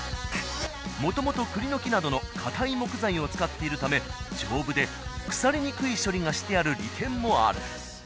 もともと栗の木などの硬い木材を使っているため丈夫で腐りにくい処理がしてある利点もある。